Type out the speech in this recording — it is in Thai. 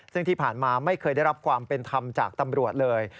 ซึ่งที่ผ่านมาไม่เคยได้รับความเป็นธรรมจากตำรวจเลย